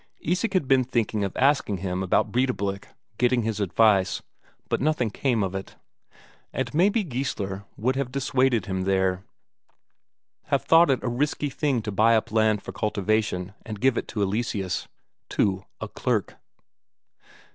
Isak had been thinking of asking him about Breidablik, getting his advice, but nothing came of it. And maybe Geissler would have dissuaded him there; have thought it a risky thing to buy up land for cultivation and give it to Eleseus; to a clerk.